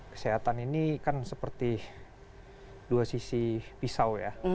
kesehatan ini kan seperti dua sisi pisau ya